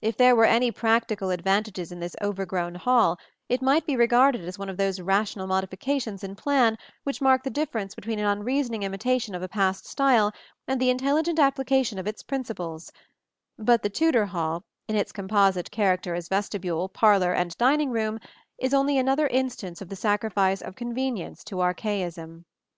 If there were any practical advantages in this overgrown hall, it might be regarded as one of those rational modifications in plan which mark the difference between an unreasoning imitation of a past style and the intelligent application of its principles; but the Tudor hall, in its composite character as vestibule, parlor and dining room, is only another instance of the sacrifice of convenience to archaism.